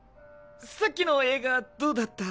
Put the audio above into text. さっきの映画どうだった？